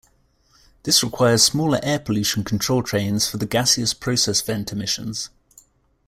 This requires smaller air pollution control trains for the gaseous process vent emissions.